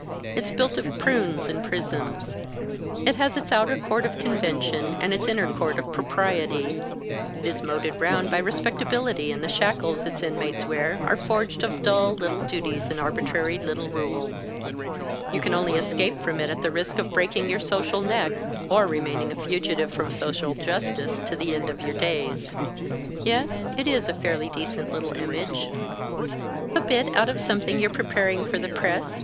It is built of prunes and prisms; it has its outer court of convention, and its inner court of propriety; it is moated round by respectability, and the shackles its inmates wear are forged of dull little duties and arbitrary little rules. You can only escape from it at the risk of breaking your social neck, or remaining a fugitive from social justice to the end of your days. Yes, it is a fairly decent little image." "A bit out of something you're preparing for the press?"